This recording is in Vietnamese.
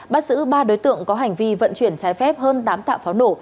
bắt giữ ba đối tượng có hành vi vận chuyển trái phép hơn tám tạ pháo nổ